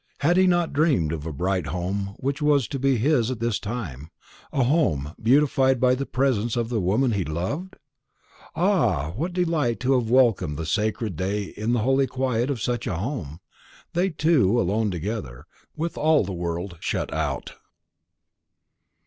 Had he not dreamed of a bright home which was to be his at this time, a home beautified by the presence of the woman he loved? Ah, what delight to have welcomed the sacred day in the holy quiet of such a home, they two alone together, with all the world shut out!